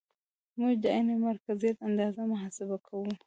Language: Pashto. موږ د عین مرکزیت اندازه محاسبه کوو